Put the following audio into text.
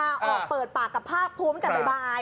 ออกเปิดปากกับภาคภูมิแต่บ่าย